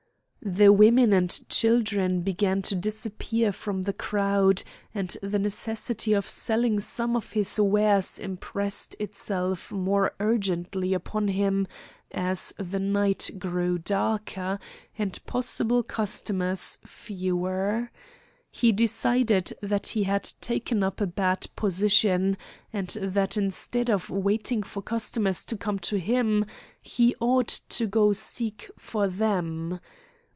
The women and children began to disappear from the crowd, and the necessity of selling some of his wares impressed itself more urgently upon him as the night grew darker and possible customers fewer. He decided that he had taken up a bad position, and that instead of waiting for customers to come to him, he ought to go seek for them.